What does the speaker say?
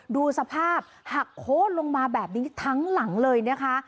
ดูสภาพหักโค้นลงมาแบบนี้ทั้งหลังเลยนะคะ